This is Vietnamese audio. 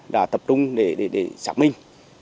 đã tập trung để xác minh